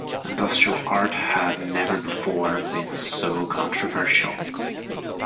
Industrial art had never before been so controversial.